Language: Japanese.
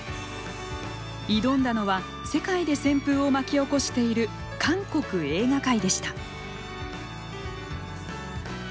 挑んだのは世界で旋風を巻き起こしている韓国映画界でした。